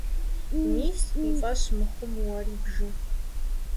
Мис, уи фӀэщ мыхъум, уэри бжы.